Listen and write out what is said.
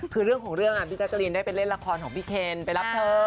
คือเรื่องของเรื่องพี่เจ้าเจรินได้เป็นเล่นละครของพี่เคนไปรับเทิร์น